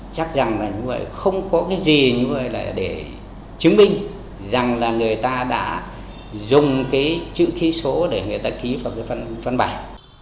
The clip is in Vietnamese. chắc rằng là như vậy không có cái gì như vậy là để chứng minh rằng là người ta đã dùng cái chữ ký số để người ta ký vào cái phân bản